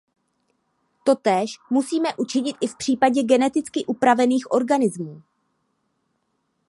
Totéž musíme učinit i v případě geneticky upravených organismů.